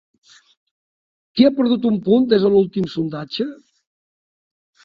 Qui ha perdut un punt des de l'últim sondatge?